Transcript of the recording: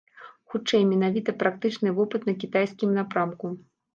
Хутчэй, менавіта практычны вопыт на кітайскім напрамку.